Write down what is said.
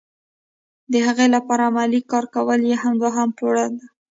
د هغې لپاره عملي کار کول یې دوهمه پوړۍ ده.